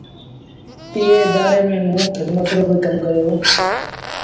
ايئي ادآري ميݩ موݩ کدمت رو با ڪم ڪيو۔